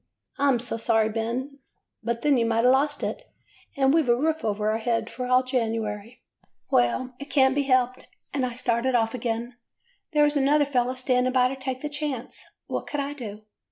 " 'I 'm so sorry, Ben. But then you might a' lost it, and we 've a roof over our heads for all January.' " 'Well, it can't be helped,' and I started off again. There was another fellow standing by to take the chance. What could I do?